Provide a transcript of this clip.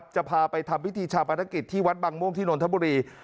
จะพาไปทำพิธีชาปนกิจที่วัดบางม่วงที่นนทบุรี